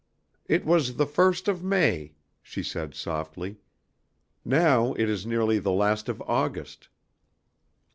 "It was the first of May," she said softly. "Now it is nearly the last of August."